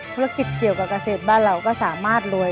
ธุรกิจเกี่ยวกับเกษตรบ้านเราก็สามารถรวย